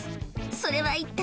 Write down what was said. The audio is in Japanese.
それは一体？